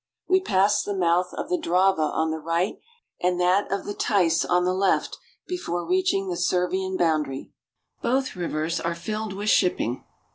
We pass the mouth of the Drava on the right, and that of the Theiss (tis) on the left, before reaching the Servian boundary. Both rivers are filled with shipping.